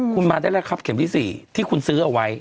คุณมาได้แล้วครับเข็มที่๔ที่คุณซื้อเอาไว้